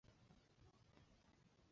世界高尔夫球锦标赛主办。